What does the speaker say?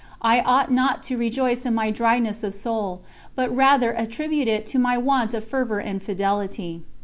I ought not to rejoice in my dryness of soul, but rather attribute it to my want of fervour and fidelity.